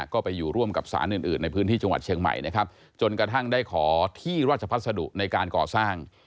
ก็ไปอยู่ร่วมกับสารอื่นในพื้นที่จังหวัดเชียงใหม่นะครับจนกระทั่งได้ขอที่ราชพัสดุในการก่อสร้าง